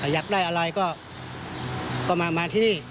อยากได้อะไรก็มาที่นี่